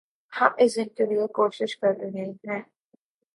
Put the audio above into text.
ہم اس دن کے لئے کوشش کررہے ہیں